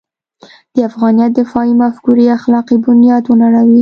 د افغانیت دفاعي مفکورې اخلاقي بنیاد ونړوي.